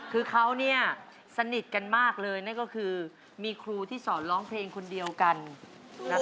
คือเขาเนี่ยสนิทกันมากเลยนั่นก็คือมีครูที่สอนร้องเพลงคนเดียวกันนะครับ